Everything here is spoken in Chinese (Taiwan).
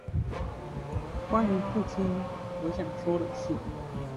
關於父親，我想說的事